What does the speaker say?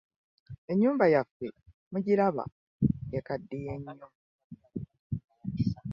Ennyumba yaffe mugiraba ekaddiye nnyo!